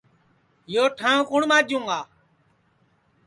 یو ٹھانٚو کُوٹؔ ماجوں گا